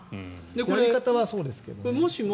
やり方はそうですけどね。